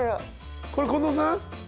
これ近藤さん